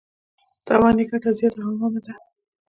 تاوان یې ګټه زیاته او عامه ده.